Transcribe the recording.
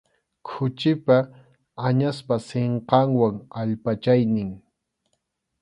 Khuchipa, añaspa sinqanwan allpachaynin.